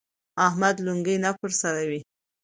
احمد لونګۍ نه پر سروي.